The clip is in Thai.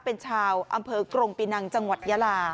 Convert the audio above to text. เป็นชาวอำเภอกรงปีนังจังหวัดยาลา